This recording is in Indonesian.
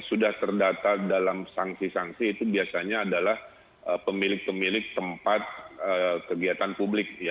yang sudah terdata dalam sangsi sangsi itu biasanya adalah pemilik pemilik tempat kegiatan publik ya